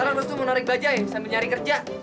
sarang harus menarik baja yang bisa mencari kerja